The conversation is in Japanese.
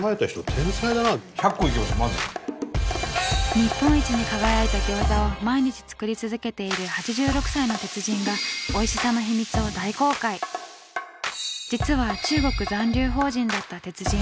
日本一に輝いた餃子を毎日作り続けている８６歳の鉄人が実は中国残留邦人だった鉄人。